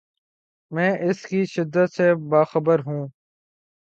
میں اس کی شدت سے باخبر ہوں۔